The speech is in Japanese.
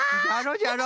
じゃろ？